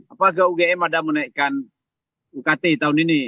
apakah ugm ada menaikkan ukt tahun ini